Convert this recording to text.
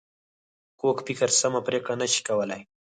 کوږ فکر سمه پرېکړه نه شي کولای